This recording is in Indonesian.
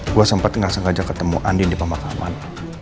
gue sempet gak sengaja ketemu andien di pemakaman